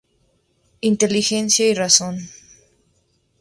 Inteligencia y Razón.